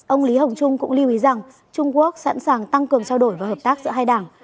ông lý hồng trung cũng lưu ý rằng trung quốc sẵn sàng tăng cường trao đổi và hợp tác giữa hai đảng